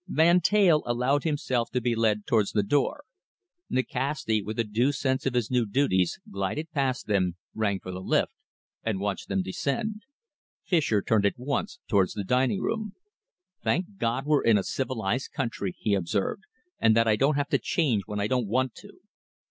Van Teyl allowed himself to be led towards the door. Nikasti, with a due sense of his new duties, glided past them, rang for the lift, and watched them descend. Fischer turned at once towards the dining room. "Thank God we're in a civilised country," he observed, "and that I don't have to change when I don't want to!"